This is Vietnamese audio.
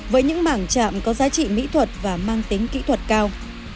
với những mảng chạm có giá trị mỹ thuật và mang tính kỹ thuật cao